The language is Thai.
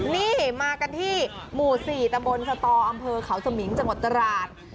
นี่มากันที่หมู่๔ตะบนสตออำเภอเขาสมิงจังหวัดตราด